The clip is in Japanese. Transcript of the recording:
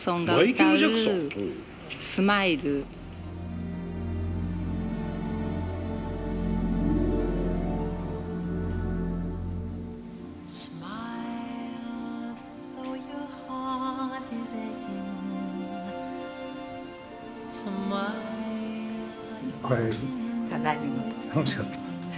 うん楽しかった。